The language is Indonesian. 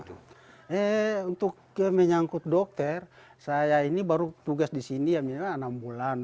untuk menyangkut dokter saya ini baru tugas di sini enam bulan